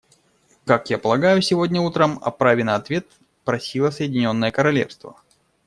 Как я полагаю, сегодня утром о праве на ответ просило Соединенное Королевство.